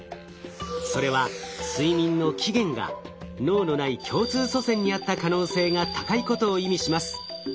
それは睡眠の起源が脳のない共通祖先にあった可能性が高いことを意味します。